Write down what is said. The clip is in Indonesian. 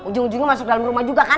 ujung ujungnya masuk dalam rumah juga kan